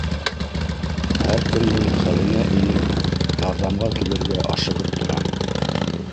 Һәр кемдең хәленә инеп, ярҙамға килергә ашығып тора.